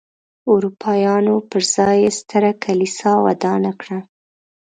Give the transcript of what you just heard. اروپایانو پر ځای یې ستره کلیسا ودانه کړه.